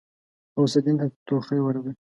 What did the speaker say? غوث الدين ته ټوخی ورغی.